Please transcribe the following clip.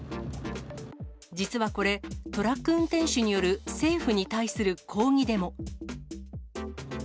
実はこれ、トラック運転手による政府に対する抗議デモ。